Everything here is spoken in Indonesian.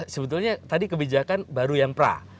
sebetulnya tadi kebijakan baru yang pra